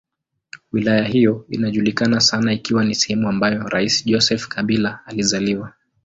Wilaya hiyo inajulikana sana ikiwa ni sehemu ambayo rais Joseph Kabila alizaliwa.